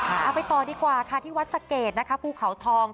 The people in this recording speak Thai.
เอาไปต่อดีกว่าค่ะที่วัดสะเกดนะคะภูเขาทอง